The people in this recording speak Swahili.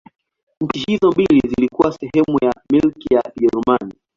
Nchi hizo mbili zilikuwa sehemu ya Milki ya Kijerumani.